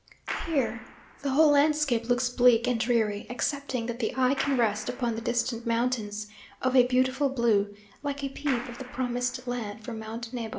Here the whole landscape looks bleak and dreary, excepting that the eye can rest upon the distant mountains, of a beautiful blue, like a peep of the promised land from Mount Nebo.